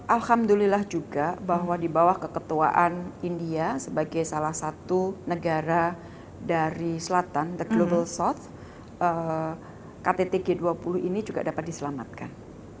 alhamdulillah juga bahwa di bawah keketuaan india sebagai salah satu negara dari selatan the global south ktt g dua puluh ini juga dapat diselamatkan